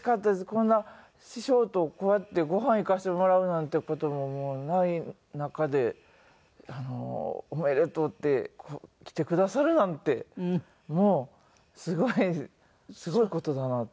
こんな師匠とこうやってご飯行かせてもらうなんて事もない中でおめでとうって来てくださるなんてすごいすごい事だなって。